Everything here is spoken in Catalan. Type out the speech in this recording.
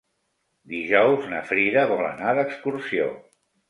Dijous na Frida vol anar d'excursió.